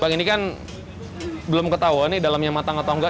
bang ini kan belum ketahuan ini dalamnya matang atau enggak